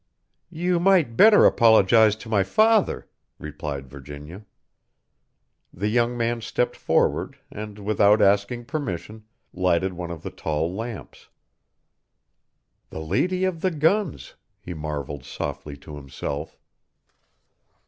"You might better apologize to my father," replied Virginia. The young man stepped forward and, without asking permission, lighted one of the tall lamps. "The lady of the guns!" he marvelled softly to himself.